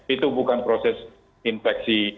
itu bukan proses infeksi